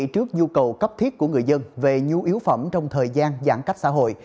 trước nhu cầu cấp thiết của người dân về nhu yếu phẩm trong thời gian giãn cách xã hội